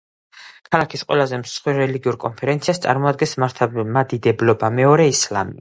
ქალაქის ყველაზე მსხვილ რელიგიურ კონცეფციას წარმოადგენს მართლმადიდებლობა, მეორე ისლამია.